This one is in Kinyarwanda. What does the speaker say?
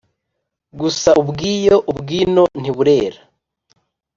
Gusa ubw’iyo, ubw'ino ntiburera.